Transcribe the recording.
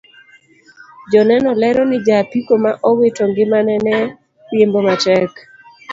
Joneno lero ni ja apiko ma owito ngimane ne riembo matek